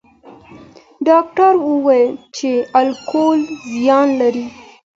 ډاکټر وویل چې الکول زیان لري.